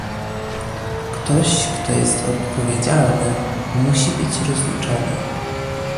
Ktoś kto jest odpowiedzialny, musi być rozliczony